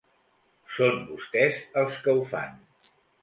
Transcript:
Són vostès els que ho fan.